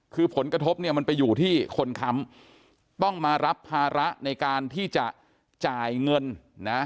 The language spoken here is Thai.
คือผลกระทบเนี่ยมันไปอยู่ที่คนค้ำต้องมารับภาระในการที่จะจ่ายเงินนะ